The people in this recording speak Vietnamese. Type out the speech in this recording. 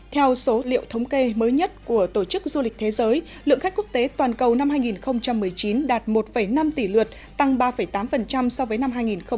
theo số liệu thống kê mới nhất của tổ chức du lịch thế giới lượng khách quốc tế toàn cầu năm hai nghìn một mươi chín đạt một năm tỷ lượt tăng ba tám so với năm hai nghìn một mươi tám